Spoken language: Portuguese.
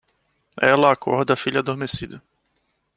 Ela acorda a filha adormecida